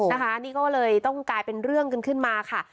นะคะนี่ก็เลยต้องกลายเป็นเรื่องกันขึ้นมาค่ะ